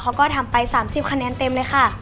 เขาก็ทำไป๓๐คะแนนเต็มเลยค่ะ